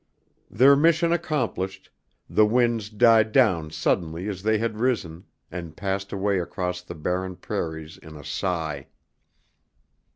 Their mission accomplished, the winds died down suddenly as they had risen and passed away across the barren prairies in a sigh.